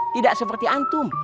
tidak seperti antum